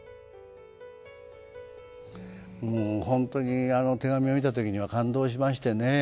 もう本当にあの手紙を見た時には感動しましてね。